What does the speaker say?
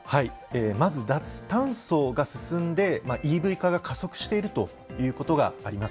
まず脱炭素が進んでＥＶ化が加速しているということがあります。